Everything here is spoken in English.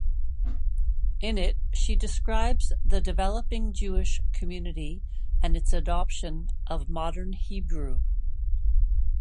In it she describes the developing Jewish community and its adoption of modern Hebrew.